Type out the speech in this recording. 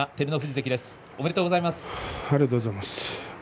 ありがとうございます。